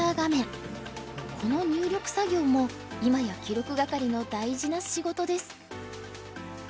この入力作業も今や記録係の大事な仕事です。